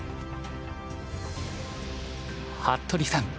服部さん